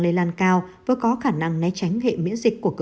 lây lan cao vừa có khả năng né tránh hệ miễn pháp